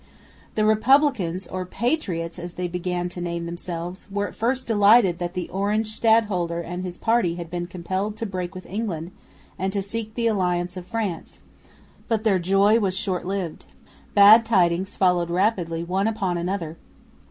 The Republicans, or Patriots, as they began to name themselves, were at first delighted that the Orange stadholder and his party had been compelled to break with England and to seek the alliance of France; but their joy was but short lived. Bad tidings followed rapidly one upon another.